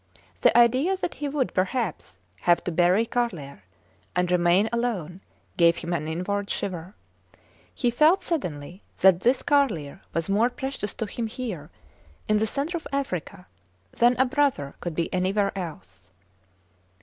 The idea that he would, perhaps, have to bury Carlier and remain alone, gave him an inward shiver. He felt suddenly that this Carlier was more precious to him here, in the centre of Africa, than a brother could be anywhere else.